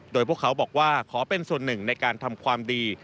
โดยพวกเขาบอกว่าขอเป็นส่วนหนึ่งในการทำความดี